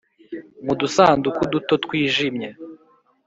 mu dusanduku duto twijimye